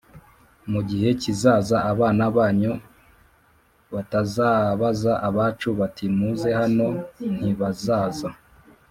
mu gihe kizaza abana banyu batazabaza abacu bati muze hano ntibazaza